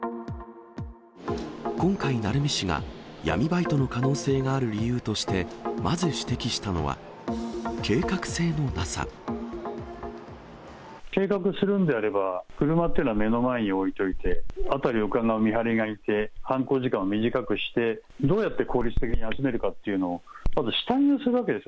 今回、鳴海氏が闇バイトの可能性がある理由として、計画するのであれば、車っていうのは目の前に置いといて、辺りをうかがう見張りがいて、犯行時間を短くして、どうやって効率的に集めるかっていうのを、まず下見をするわけです。